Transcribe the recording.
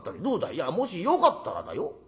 いやもしよかったらだよ。